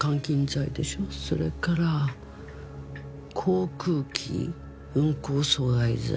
それから航空機運航阻害罪